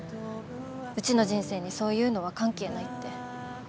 うちの人生にそういうのは関係ないって。